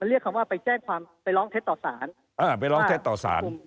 มันเรียกคำว่าไปแจ้งความไปร้องเท็จต่อสาร